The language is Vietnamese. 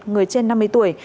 người trên năm mươi tuổi